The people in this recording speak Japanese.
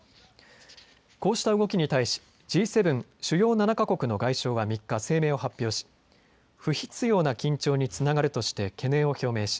こうした動きに対しＧ７・主要７か国の外相は３日、声明を発表し、不必要な緊張につながるとして懸念を表明し